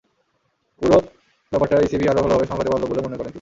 পুরো ব্যাপারটা ইসিবি আরও ভালোভাবে সামলাতে পারত বলেও মনে করেন তিনি।